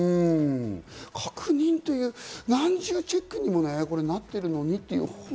確認という何重チェックにもなっているのにと。